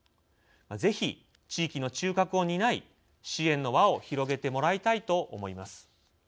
ぜひ地域の中核を担い支援の輪を広げてもらいたいと思います。